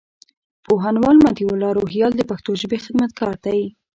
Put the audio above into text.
پوهنوال مطيع الله روهيال د پښتو ژبي خدمتګار دئ.